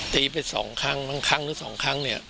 ตีไปสองครั้งบางครั้งหรือสองครั้งเนี่ย